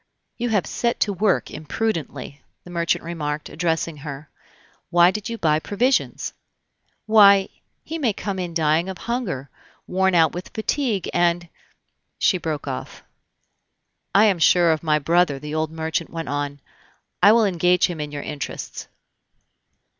"You have set to work imprudently," the merchant remarked, addressing her. "Why did you buy provisions?" "Why, he may come in dying of hunger, worn out with fatigue, and " She broke off. "I am sure of my brother," the old merchant went on; "I will engage him in your interests."